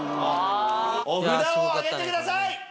お札を挙げてください！